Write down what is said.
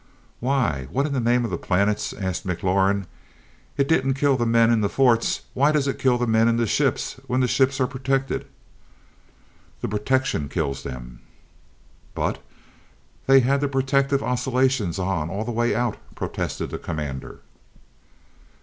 "Why what in the name of the Planets?" asked McLaurin. "It didn't kill the men in the forts why does it kill the men in the ships, when the ships are protected?" "The protection kills them." "But but they had the protective oscillations on all the way out!" protested the Commander.